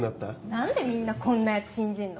何でみんなこんなヤツ信じんの？